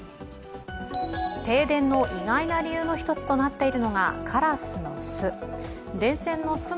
停電の意外な理由の一つとなっているのが、カラスの巣。